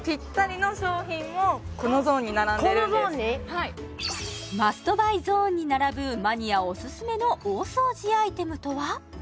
はいマストバイゾーンに並ぶマニアオススメの大掃除アイテムとは？